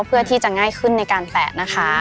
เพื่อที่จะง่ายขึ้นในการแตะนะคะ